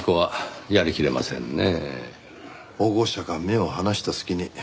保護者が目を離した隙に。